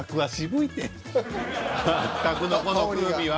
八角のこの風味は。